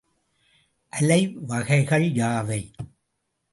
அலை வகைகள் யாவை?